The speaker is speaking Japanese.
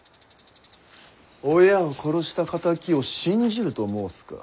親を殺した敵を信じると申すか？